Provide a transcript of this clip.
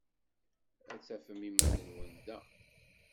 Ad tafem iman-nwen da.